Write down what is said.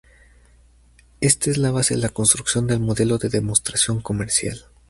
Este es la base de la construcción del modelo de demostración comercial.